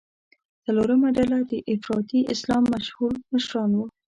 څلورمه ډله د افراطي اسلام مشهور مشران وو.